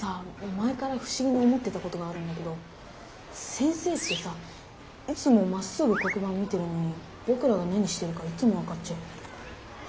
前からふしぎに思ってたことがあるんだけど先生ってさいつもまっすぐ黒板を見てるのにぼくらが何してるかいつも分かっちゃうよね。